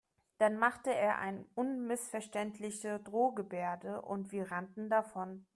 Dann machte er eine unmissverständliche Drohgebärde und wir rannten davon.